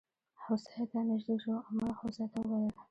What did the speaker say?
هوسۍ ته نژدې شو او ملخ هوسۍ ته وویل.